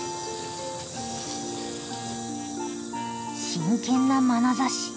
真剣なまなざし。